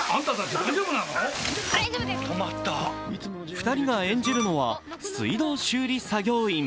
２人が演じるのは水道修理作業員。